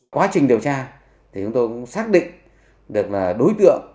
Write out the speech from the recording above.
quá trình điều tra thì chúng tôi cũng xác định được là đối tượng